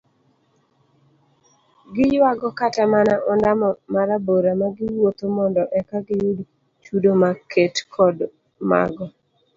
Giyuago kata mana ondamo marabora magiwuotho mondo eka giyud chudo maket kod mago